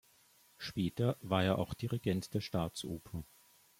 Später war er auch Dirigent der Staatsoper.